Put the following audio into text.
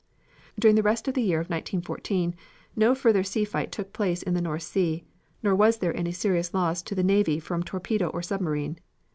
During the rest of the year of 1914 no further sea fight took place in the North Sea nor was there any serious loss to the navy from torpedo or submarine.